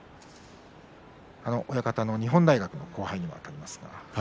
親方の日本大学の後輩にもあたりますが。